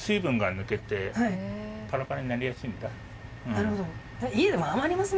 なるほど。